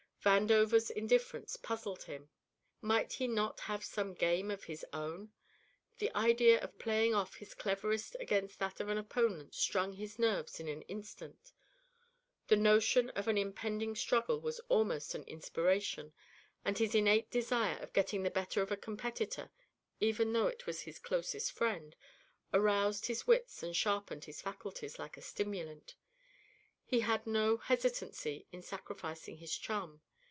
Vandover's indifference puzzled him. Might he not have some game of his own? The idea of playing off his cleverness against that of an opponent strung his nerves in an instant; the notion of an impending struggle was almost an inspiration, and his innate desire of getting the better of a competitor, even though it was his closest friend, aroused his wits and sharpened his faculties like a stimulant. He had no hesitancy in sacrificing his chum.